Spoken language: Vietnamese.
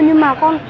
nhưng mà con